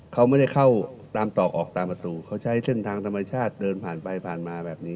เขาไม่ได้เข้าตามตอกออกตามประตูเขาใช้เส้นทางธรรมชาติเดินผ่านไปผ่านมาแบบนี้